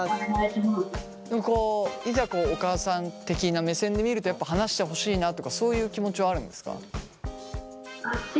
こういざお母さん的な目線で見るとやっぱ話してほしいなとかそういう気持ちはあるんですか？